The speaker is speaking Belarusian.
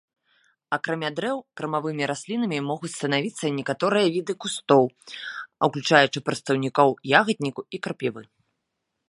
Акрамя дрэў кармавымі раслінамі могуць станавіцца некаторыя віды кустоў, уключаючы прадстаўнікоў ягадніку і крапівы.